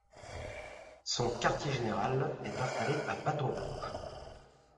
Son quartier-général est installé à Bâton-Rouge.